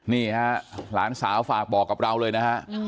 นี่ฮะหลานสาวฝากบอกกับเราเลยนะฮะ